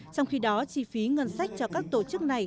trong khi đó chi phí ngân sách cho các tổ chức này